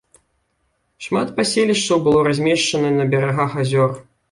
Шмат паселішчаў было размешчана па берагах азёр.